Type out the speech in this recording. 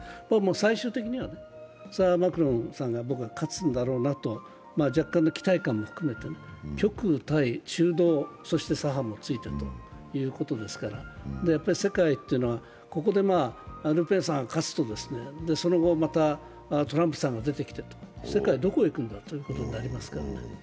最終的には、マクロンさんが勝つんだろうなと希望的な観測も込めて極右対中道、そして左派もついているということですから、世界というのは、ここでルペンさんが勝つと、その後、またトランプさんが出てきて、世界はどこへ行くんだということになりますから。